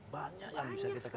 banyak yang bisa kita katakan